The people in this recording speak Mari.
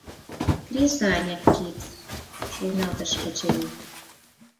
«Кресаньык кид, — шоналтыш Качырий.